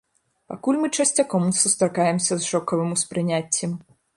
Пакуль мы часцяком сустракаемся з шокавым успрыняццем.